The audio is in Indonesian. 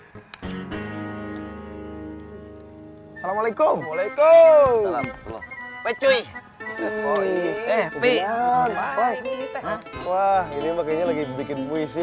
hai assalamualaikum waalaikumsalam hai cuy eh pilihan wah ini makanya lagi bikin puisi